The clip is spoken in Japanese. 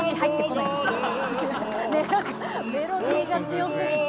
なんかメロディーが強すぎて。